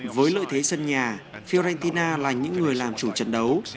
với lợi thế sân nhà fiargtina là những người làm chủ trận đấu